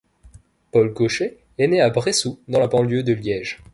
Paul Gochet est né à Bressoux dans la banlieue de Liège.